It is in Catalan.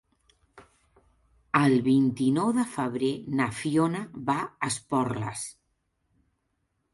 El vint-i-nou de febrer na Fiona va a Esporles.